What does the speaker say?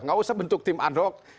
tidak usah bentuk tim adhok